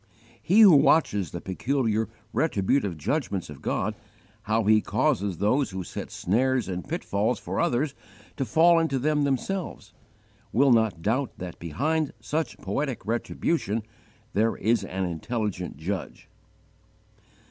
He who watches the peculiar retributive judgments of God, how He causes those who set snares and pitfalls for others to fall into them themselves, will not doubt that behind such 'poetic retribution' there is an intelligent Judge.